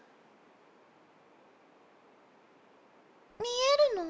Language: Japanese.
見えるの？